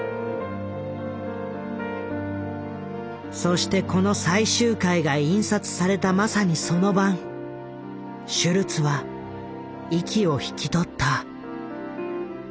そしてこの最終回が印刷されたまさにその晩シュルツは息を引き取った。